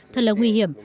thật là nguy hiểm